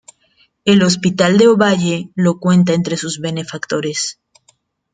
El hospital de Ovalle lo cuenta entre sus benefactores.